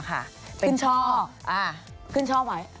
ที่ขึ้นช่อ